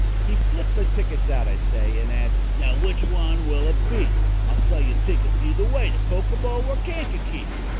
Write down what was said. He flipped the tickets out, I say, And asked: "Now, which one shall it be? I'll sell you tickets either way To Kokomo or Kankakee."